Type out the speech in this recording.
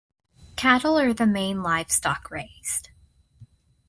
Cattle are the main livestock raised.